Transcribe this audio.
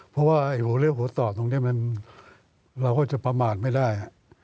เพราะว่าหัวเรื่องหัวต่อตรงนี้เราก็จะประมาทไม่ได้